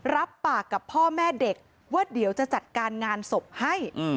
รับปากกับพ่อแม่เด็กว่าเดี๋ยวจะจัดการงานศพให้